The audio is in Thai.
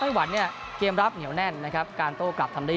วันเนี่ยเกมรับเหนียวแน่นนะครับการโต้กลับทำได้